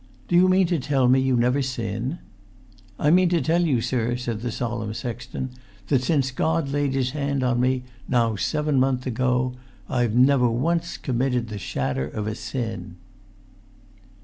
"Do you mean to tell me you never sin?" "I mean to tell you, sir," said the solemn sexton, "that, since God laid his hand on me, now seven month ago, I've never once committed the shadder of a sin."